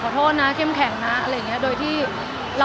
หมายถึงว่าความดังของผมแล้วทำให้เพื่อนมีผลกระทบอย่างนี้หรอค่ะ